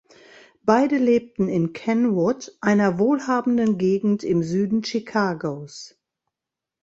Beide lebten in Kenwood, einer wohlhabenden Gegend im Süden Chicagos.